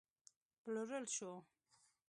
پلورل شو